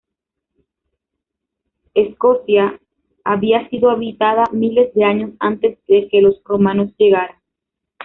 Escocia había sido habitada miles de años antes de que los romanos llegaran.